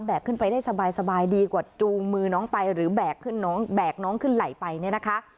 ขึ้นไปได้สบายดีกว่าจูงมือน้องไปหรือแบกขึ้นน้องแบกน้องขึ้นไหล่ไปเนี่ยนะคะ